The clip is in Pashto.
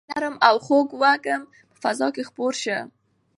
نرم او خوږ وږم په فضا کې خپور شو.